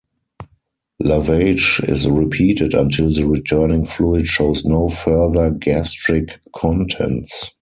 Lavage is repeated until the returning fluid shows no further gastric contents.